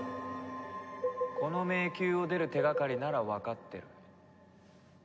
この迷宮を出る手掛かりならわかってる。